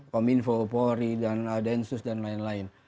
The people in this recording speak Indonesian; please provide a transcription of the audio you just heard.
kominfo polri dan densus dan lain lain